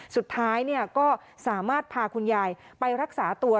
สุดท้ายก็สามารถพาคุณยายไปรักษาตัว